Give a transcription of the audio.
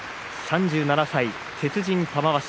３７歳、鉄人玉鷲。